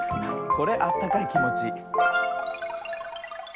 これあったかいきもち。